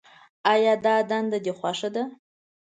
آیا دا دنده دې خوښه ده.